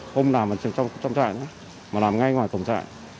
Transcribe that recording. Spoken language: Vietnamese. không làm trong trại mà làm ngay ngoài cổng trại